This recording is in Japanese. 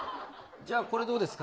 じゃあ、これどうですか。